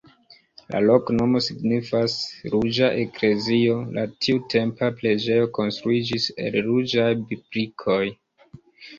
La loknomo signifas: ruĝa-eklezio, la tiutempa preĝejo konstruiĝis el ruĝaj brikoj.